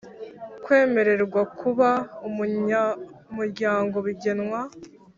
Kwemererwa kuba umunyamuryango bugenwa